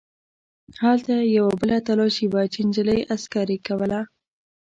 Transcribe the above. هلته یوه بله تلاشي وه چې نجلۍ عسکرې کوله.